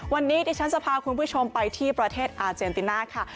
วันนี้ดิฉันจะพาคุณผู้ชมไปที่ประเทศอาเจนติน่าค่ะ